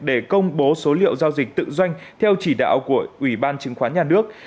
để công bố số liệu giao dịch tự doanh theo chỉ đạo của ủy ban chứng khoán nhà nước